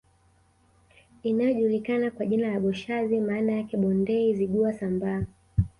Iliyojulikana kwa jina la Boshazi maana yake Bondei Zigua Sambaa